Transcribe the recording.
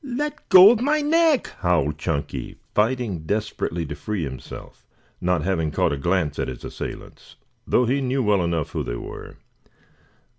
"Let go of my neck!" howled Chunky, fighting desperately to free himself, not having caught a glance at his assailants, though he knew well enough who they were.